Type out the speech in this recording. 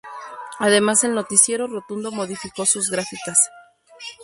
Además el noticiero rotundo modificó sus gráficas.